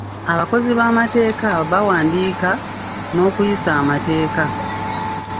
Abakozi b'amateeka bawandiika n'okuyisa amateeka.